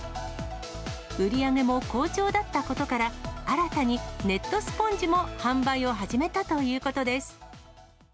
売り上げも好調だったことから、新たにネットスポンジも販売を始めたということです。